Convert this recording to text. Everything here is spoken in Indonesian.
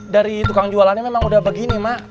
dari tukang jualannya memang udah begini mak